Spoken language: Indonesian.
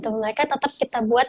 mereka tetap kita buat